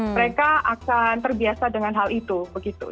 mereka akan terbiasa dengan hal itu begitu